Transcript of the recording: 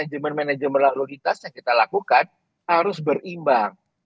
kualitas yang kita lakukan harus berimbang